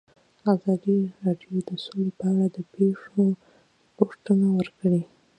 ازادي راډیو د سوله په اړه د پېښو رپوټونه ورکړي.